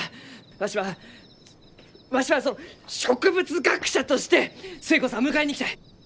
わしはわしは植物学者として寿恵子さんを迎えに行きたい！